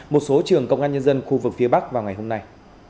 một số trường công an nhân dân khu vực phía bắc vào ngày hôm nay